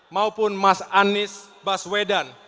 maupun mas anies baswedan